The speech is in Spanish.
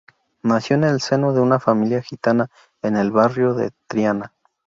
Nació en el seno de una familia gitana en el barrio de Triana.